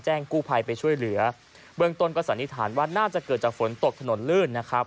กู้ภัยไปช่วยเหลือเบื้องต้นก็สันนิษฐานว่าน่าจะเกิดจากฝนตกถนนลื่นนะครับ